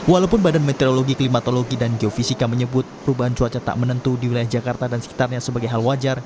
walaupun badan meteorologi klimatologi dan geofisika menyebut perubahan cuaca tak menentu di wilayah jakarta dan sekitarnya sebagai hal wajar